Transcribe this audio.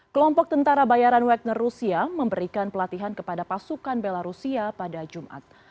kelompok tentara bayaran wegener rusia memberikan pelatihan kepada pasukan belarusia pada jumat